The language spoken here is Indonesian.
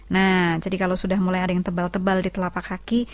nah jadi kalau sudah mulai ada yang tebal tebal di telapak kaki